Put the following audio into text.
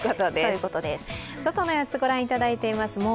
外の様子御覧いただいています。